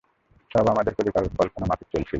সব আমাদের পরিকল্পনামাফিক চলছিল।